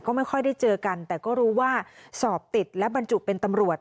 ก็ไม่ค่อยได้เจอกันแต่ก็รู้ว่าสอบติดและบรรจุเป็นตำรวจ